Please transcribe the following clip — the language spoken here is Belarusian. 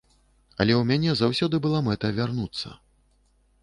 Але ў мяне заўсёды была мэта вярнуцца.